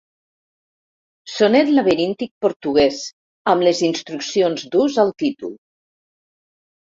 Sonet laberíntic portuguès amb les instruccions d'ús al títol.